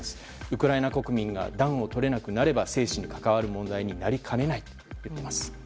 ウクライナ国民が暖をとれなくなれば生死にかかわる問題になりかねないということです。